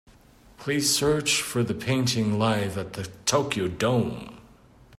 Please search for the painting Live at the Tokyo Dome.